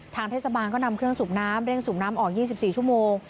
ทางเทศบาลก็นำเครื่องสูบน้ำเร่งสูบน้ำออก๒๔ชั่วโมง